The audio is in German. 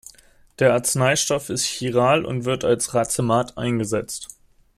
Der Arzneistoff ist chiral und wird als Racemat eingesetzt.